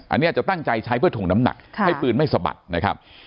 อันนี้จะตั้งใจใช้เพื่อถงน้ำหนักให้ปืนไม่สะบัดนะครับ